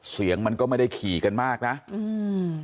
เสียงมันก็ไม่ได้ขี่กันมากนะอืม